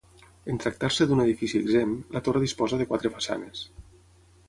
En tractar-se d'un edifici exempt, la torre disposa de quatre façanes.